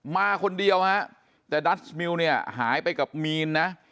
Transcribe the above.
มาคนเดียวฮะแต่ดัชมิวเนี่ยหายไปกับมีนนะ